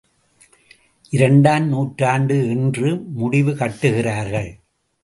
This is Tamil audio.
இரண்டாம் நூற்றாண்டு என்று முடிவு கட்டுகிறாகள்.